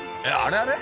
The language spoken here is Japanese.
あれ？